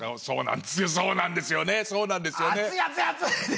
そうなんですよねそうなんですよね。